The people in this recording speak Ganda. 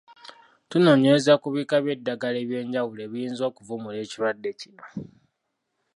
Tunoonyereza ku bika by’eddagala eby’enjawulo ebiyinza okuvumula ekirwadde kino.